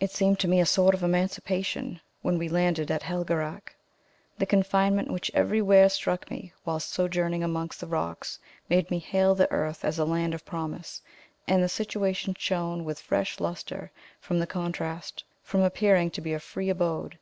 It seemed to me a sort of emancipation when we landed at Helgeraac. The confinement which everywhere struck me whilst sojourning amongst the rocks, made me hail the earth as a land of promise; and the situation shone with fresh lustre from the contrast from appearing to be a free abode.